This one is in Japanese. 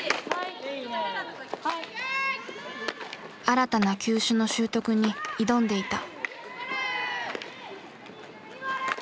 新たな球種の習得に挑んでいた。